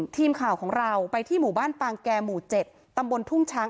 ทีมข่าวของเราไปที่หมู่บ้านปางแก่หมู่๗ตำบลทุ่งช้าง